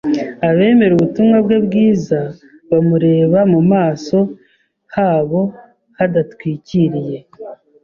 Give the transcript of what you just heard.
Abemera ubutumwa bwe bwiza bamureba mu maso habo hadatwikiriye